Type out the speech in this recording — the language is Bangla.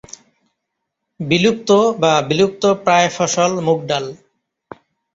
বিলুপ্ত বা বিলুপ্তপ্রায় ফসল মুগডাল।